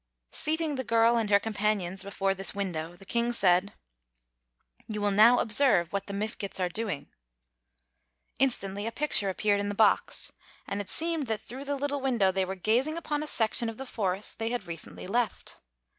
Seating the girl and her companions before this window, the King said: "You will now observe what the Mifkets are doing." Instantly a picture appeared in the box, and it seemed that through the little window they were gazing upon a section of the forest they had recently left.